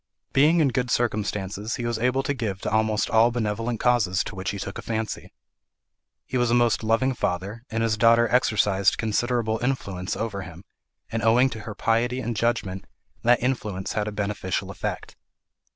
Being in good circumstances, he was able to give to almost all benevolent causes to which he took a fancy. He was a most loving father, and his daughter exercised considerable influence over him, and owing to her piety and judgment, that influence had a beneficial effect.